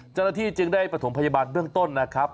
เจ้าหน้าที่จึงได้ประถมพยาบาลเบื้องต้นนะครับ